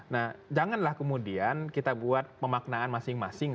nah janganlah kemudian kita buat pemaknaan masing masing